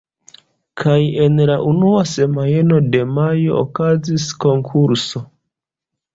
Kaj en la unua semajno de majo okazis konkurso.